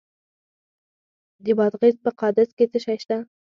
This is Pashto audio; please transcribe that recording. د بادغیس په قادس کې څه شی شته؟